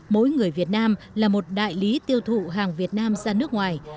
mỗi người việt nam là một đại lý tiêu thụ hàng việt nam ra nước ngoài